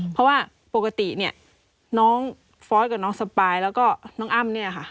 เพราะว่าปกติเนี่ยน้องฟอสกับน้องสปายแล้วก็น้องอ้ำเนี่ยค่ะ